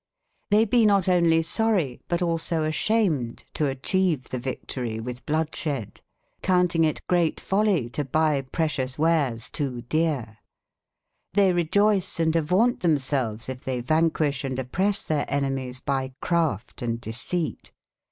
r^^nSY t>c "Ot only sory, but also a M^^ sham ed to atchieve the victorie with ^^bloudshed, counting it greate folie to bie precious wares to dere. They re joyse S. avaunt themselves, if they van quished oppresse their enemies by craft and deceite.